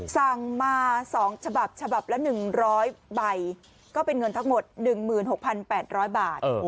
สั่งมา๒ฉบับฉบับละ๑๐๐ใบก็เป็นเงินทั้งหมด๑๖๘๐๐บาท